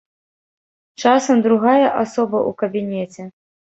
Часам другая асоба ў кабінеце.